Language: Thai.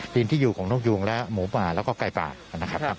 เป็นที่อยู่ของนกยูงและหมูป่าแล้วก็ไก่ป่านะครับ